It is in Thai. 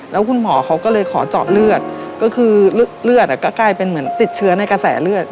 แล้วคุณหมอเขาก็เลยขอเจาะเลือดก็คือเลือดก็กลายเป็นเหมือนติดเชื้อในกระแสเลือด